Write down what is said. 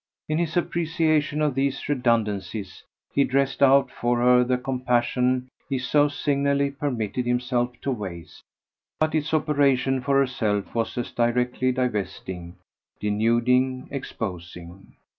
In his appreciation of these redundancies he dressed out for her the compassion he so signally permitted himself to waste; but its operation for herself was as directly divesting, denuding, exposing.